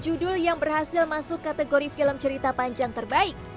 judul yang berhasil masuk kategori film cerita panjang terbaik